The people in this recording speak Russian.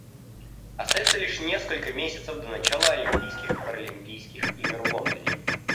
Остается лишь несколько месяцев до начала Олимпийских и Паралимпийских игр в Лондоне.